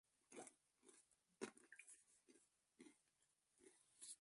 El Carmen es el distrito donde predomina la etnia afroperuana con varias manifestaciones culturales.